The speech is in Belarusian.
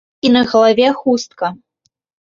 І на галаве хустка.